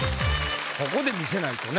ここで見せないとね。